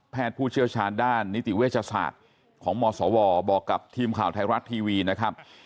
ผู้เชี่ยวชาญด้านนิติเวชศาสตร์ของมศวบอกกับทีมข่าวไทยรัฐทีวีนะครับ